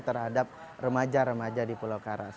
terhadap remaja remaja di pulau karas